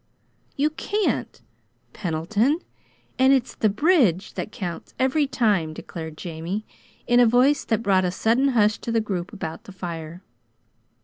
"You can't, Pendleton! And it's the bridge that counts every time," declared Jamie in a voice that brought a sudden hush to the group about the fire.